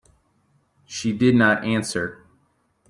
She did not answer.